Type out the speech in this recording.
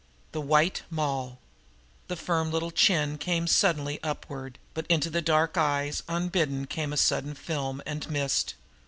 The White Moll! The firm little chin came suddenly upward; but into the dark eyes unbidden came a sudden film and mist.